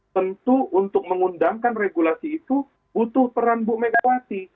tentu untuk mengundangkan regulasi itu butuh peran bu megawati